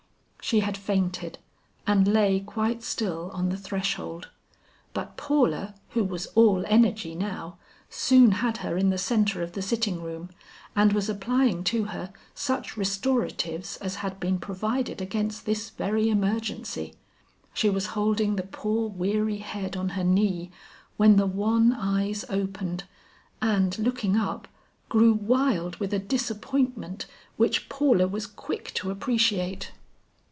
She had fainted, and lay quite still on the threshold, but Paula, who was all energy now, soon had her in the centre of the sitting room, and was applying to her such restoratives as had been provided against this very emergency. She was holding the poor weary head on her knee, when the wan eyes opened, and looking up, grew wild with a disappointment which Paula was quick to appreciate.